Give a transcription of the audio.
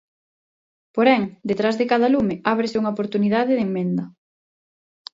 Porén, detrás de cada lume ábrese unha oportunidade de emenda.